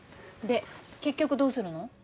で結局どうするの？